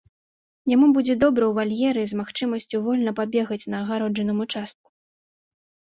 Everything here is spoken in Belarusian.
Яму будзе добра ў вальеры з магчымасцю вольна пабегаць на агароджаным участку.